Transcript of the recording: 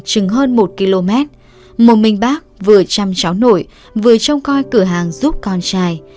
trừng hơn một km một mình bác vừa chăm cháu nội vừa trông coi cửa hàng giúp con trai